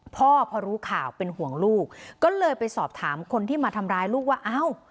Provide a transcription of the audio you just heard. พ่อพอรู้ข่าวเป็นห่วงลูกก็เลยไปสอบถามคนที่มาทำร้ายลูกว่าเอ้า